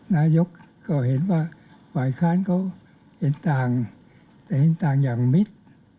นายกก็เห็นว่าฝ่ายค้านเขาเห็นต่างแต่เห็นต่างอย่างมิด